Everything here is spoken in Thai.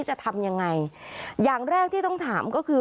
จะทำยังไงอย่างแรกที่ต้องถามก็คือ